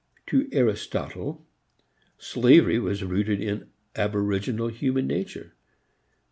To Aristotle slavery was rooted in aboriginal human nature.